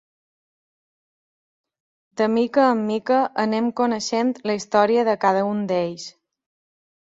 De mica en mica anem coneixent la història de cada un d’ells.